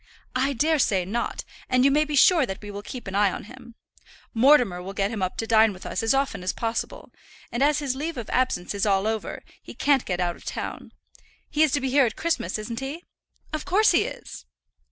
"I daresay not; and you may be sure that we will keep an eye on him. Mortimer will get him up to dine with us as often as possible, and as his leave of absence is all over, he can't get out of town. He's to be here at Christmas, isn't he?" "Of course he is."